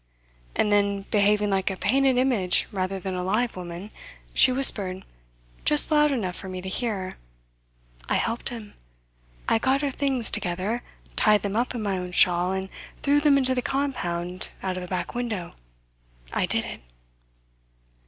And then, behaving like a painted image rather than a live woman, she whispered, just loud enough for me to hear: "I helped them. I got her things together, tied them up in my own shawl, and threw them into the compound out of a back window. I did it."